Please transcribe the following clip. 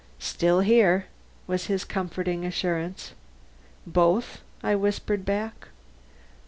"Still here," was his comforting assurance. "Both?" I whispered back.